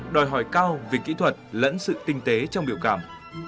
đòi hỏi cao về kỹ thuật lẫn sự tinh tế trong biểu cảm